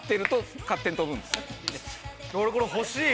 俺これ欲しい。